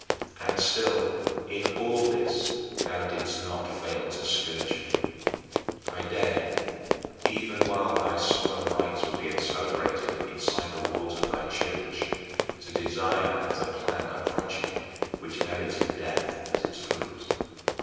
And still in all this thou didst not fail to scourge me. I dared, even while thy solemn rites were being celebrated inside the walls of thy church, to desire and to plan a project which merited death as its fruit.